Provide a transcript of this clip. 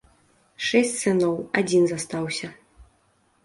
Шэсць сыноў, адзін застаўся.